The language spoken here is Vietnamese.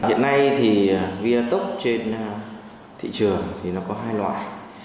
hiện nay thì viettok trên thị trường thì nó có hai loại